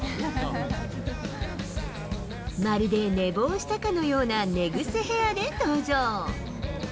まるで寝坊したかのような寝癖ヘアで登場。